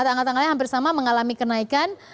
tanggal tanggalnya hampir sama mengalami kenaikan